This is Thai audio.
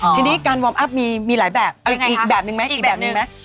ทีนี้การวอร์มอัพมีหลายแบบอีกแบบนึงไหมอีกแบบนึงไหม